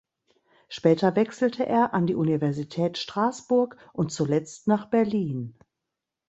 Später wechselte er an die Universität Straßburg und zuletzt nach Berlin.